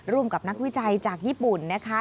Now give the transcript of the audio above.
ร่วมกับนักวิจัยจากญี่ปุ่นนะคะ